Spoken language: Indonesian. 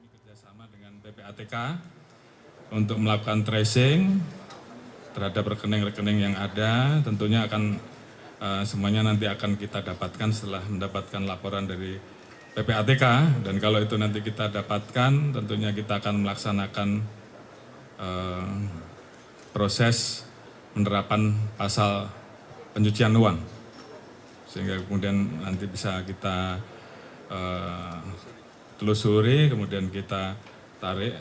penyucian uang sehingga kemudian nanti bisa kita telusuri kemudian kita tarik